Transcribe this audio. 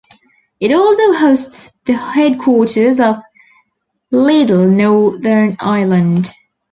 It also hosts the headquarters of Lidl Northern Ireland.